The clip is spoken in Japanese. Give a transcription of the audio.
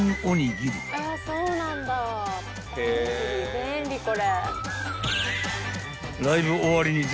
便利これ。